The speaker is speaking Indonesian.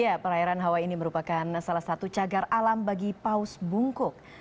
ya perairan hawai ini merupakan salah satu cagar alam bagi paus bungkuk